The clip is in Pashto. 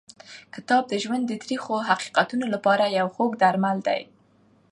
کتاب د ژوند د تریخو حقیقتونو لپاره یو خوږ درمل دی.